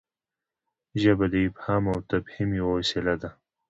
ژبه د افهام او تفهیم یوه وسیله ده.